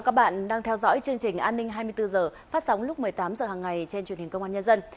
chương trình an ninh hai mươi bốn h phát sóng lúc một mươi tám h hàng ngày trên truyền hình công an nhân dân